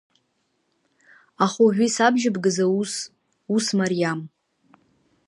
Аха уажәы исабжьыбгаз аус, ус мариам…